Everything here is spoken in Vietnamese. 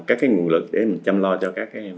các cái nguồn lực để mình chăm lo cho các em